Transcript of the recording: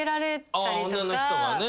女の人がね。